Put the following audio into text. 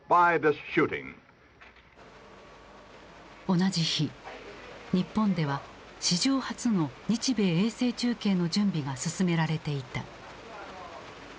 同じ日日本では史上初の日米衛星中継の準備が進められていた。